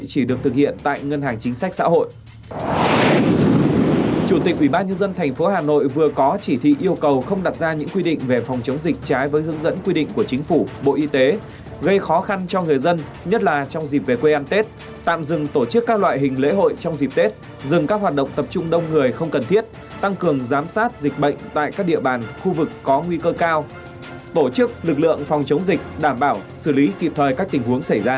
chủ tịch ubnd tp hà nội vừa có chỉ thị yêu cầu không đặt ra những quy định về phòng chống dịch trái với hướng dẫn quy định của chính phủ bộ y tế gây khó khăn cho người dân nhất là trong dịp về quê ăn tết tạm dừng tổ chức các loại hình lễ hội trong dịp tết dừng các hoạt động tập trung đông người không cần thiết tăng cường giám sát dịch bệnh tại các địa bàn khu vực có nguy cơ cao tổ chức lực lượng phòng chống dịch đảm bảo xử lý kịp thời các tình huống xảy ra